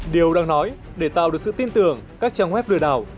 điều đang nói để tạo được sự tin tưởng các trang web lừa đảo